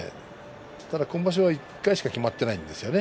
ただ今場所は１回しかきまっていませんね。